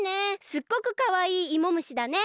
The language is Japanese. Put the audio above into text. すっごくかわいいいもむしだね。